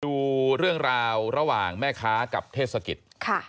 ดูเรื่องราวระหว่างแม่ค้ากับเทศกิจ